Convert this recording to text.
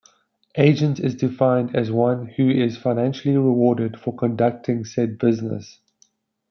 Agent is defined as one who is financially rewarded for conducting said business.